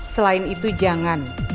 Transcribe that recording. selain itu jangan